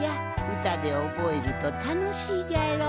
うたでおぼえるとたのしいじゃろ？